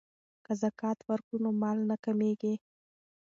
که زکات ورکړو نو مال نه کمیږي.